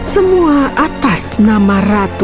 semua atas nama ratu